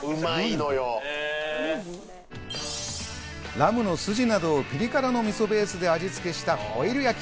ラムのスジなどを、ピリ辛のみそベースで味つけしたホイル焼き。